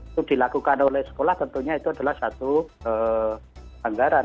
itu dilakukan oleh sekolah tentunya itu adalah satu anggaran